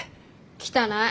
汚い。